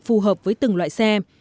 phù hợp với từng loại xe